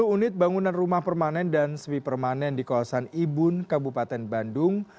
sepuluh unit bangunan rumah permanen dan semi permanen di kawasan ibun kabupaten bandung